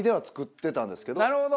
なるほど！